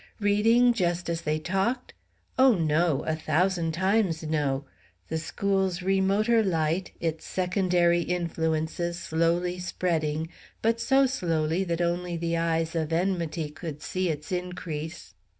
Reading just as they talked? Oh, no, a thousand times no! The school's remoter light, its secondary influences, slowly spreading, but so slowly that only the eyes of enmity could see its increase.